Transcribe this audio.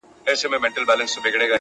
نه بيزو نه قلندر ورته په ياد وو.!